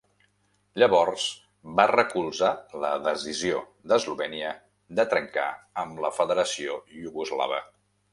Llavors, va recolzar la decisió d'Eslovènia de trencar amb la Federació Iugoslava.